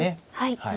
はい。